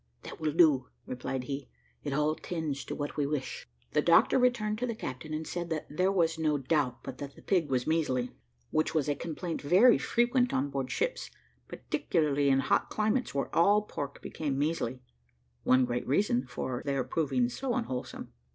"That will do," replied he; "it all tends to what we wish." The doctor returned to the captain, and said that "there was no doubt but that the pig was measly, which was a complaint very frequent on board ships, particularly in hot climates, where all pork became measly one great reason for its there proving so unwholesome."